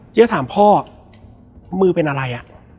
เจี๊ยบถามพ่อมือเป็นอะไร